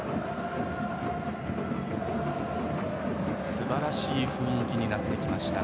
すばらしい雰囲気になってきました。